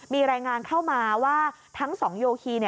มีรายงานเข้ามาว่าทั้ง๒โยคี